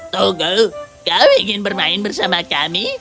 togo kau ingin bermain bersama kami